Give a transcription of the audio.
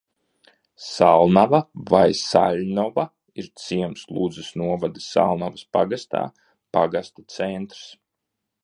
Salnava vai Saļņova ir ciems Ludzas novada Salnavas pagastā, pagasta centrs.